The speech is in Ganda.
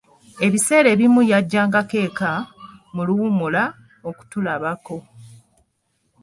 Ebiseera ebimu yajjangako eka mu luwummula okutulabako.